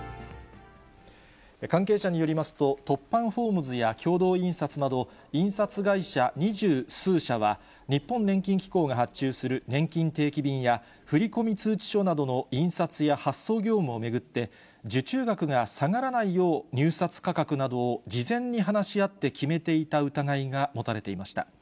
関係者によりますと、トッパン・フォームズや共同印刷など、印刷会社二十数社は、日本年金機構が発注するねんきん定期便や、振込通知書などの印刷や発送業務を巡って、受注額が下がらないよう下がらないよう、入札価格などを事前に話し合って決めていた疑いが持たれていました。